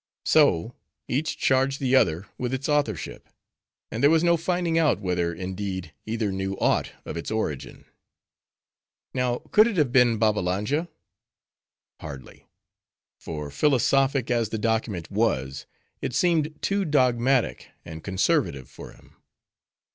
So, each charged the other with its authorship: and there was no finding out, whether, indeed, either knew aught of its origin. Now, could it have been Babbalanja? Hardly. For, philosophic as the document was, it seemed too dogmatic and conservative for him.